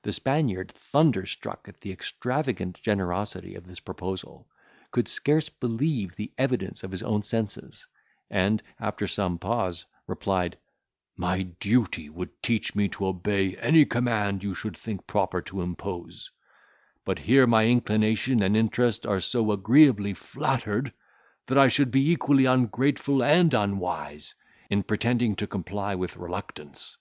The Spaniard, thunderstruck at the extravagant generosity of this proposal, could scarce believe the evidence of his own senses; and, after some pause, replied, "My duty would teach me to obey any command you should think proper to impose; but here my inclination and interest are so agreeably flattered, that I should be equally ungrateful and unwise, in pretending to comply with reluctance."